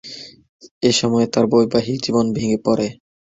এসময়ে তার বৈবাহিক জীবন ভেঙ্গে পড়ে।